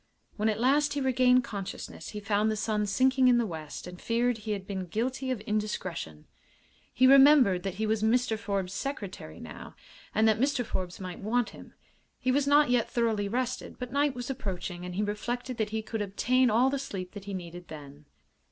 When at last he regained consciousness he found the sun sinking in the west and feared he had been guilty of indiscretion. He remembered that he was Mr. Forbes's secretary now, and that Mr. Forbes might want him. He was not yet thoroughly rested, but night was approaching and he reflected that he could obtain all the sleep that he needed then.